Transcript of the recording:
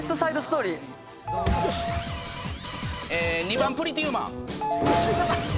２番プリティ・ウーマン。